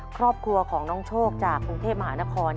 ครอบครัวของน้องโชคจากกรุงเทพมหานคร